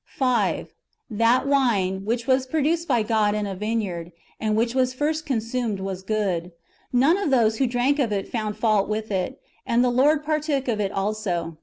5. That wine,^ which was produced by God in a vineyard, and which was first consumed, was good. None^ of those who drank of it found fault with it ; and the Lord partook of it also.